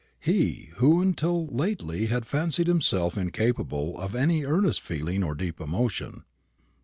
he who until lately had fancied himself incapable of any earnest feeling or deep emotion.